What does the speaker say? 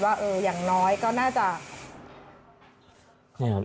ว่าอย่างน้อยก็น่าจะ